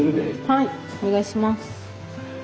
はいお願いします。